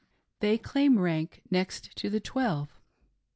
They claim rank next to the Twelve.